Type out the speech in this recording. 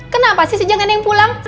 kenapa sih sejak nenek pulang